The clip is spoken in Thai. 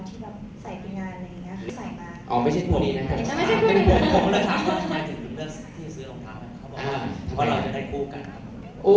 เขาบอกว่าเราจะได้คู่กัน